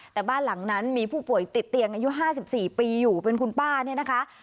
แต่บ้านหลังนั้นมีผู้ป่วยติดเตียงอายุ๕๔ปีอยู่เป็นคุณป้าเนี่ยนะคะ